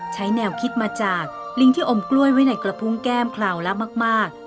ใช้แนวคิดมาจากลิงที่อมกล้วยไว้ในกระพุงแก้มคราวละมาก